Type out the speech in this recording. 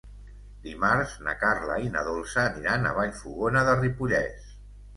Dimarts na Carla i na Dolça aniran a Vallfogona de Ripollès.